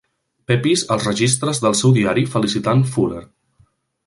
Pepys als registres del seu diari felicitant Fuller.